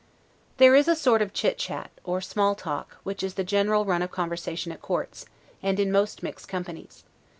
There is a sort of chit chat, or SMALL TALK, which is the general run of conversation at courts, and in most mixed companies.